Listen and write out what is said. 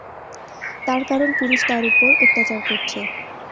তার কারণ, পুরুষ তার উপর অত্যাচার করছে।